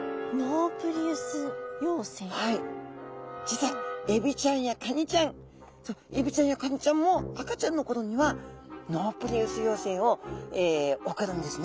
実はエビちゃんやカニちゃんエビちゃんやカニちゃんも赤ちゃんのころにはノープリウス幼生を送るんですね。